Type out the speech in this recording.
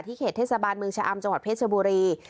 เขตเทศบาลเมืองชะอำจังหวัดเพชรบุรี